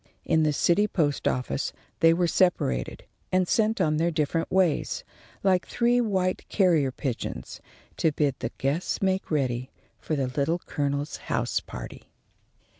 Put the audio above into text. In the city post office they were separated, and sent on their different ways, like three white carrier pigeons, to bid the guests make ready for the Little Colonel's house party.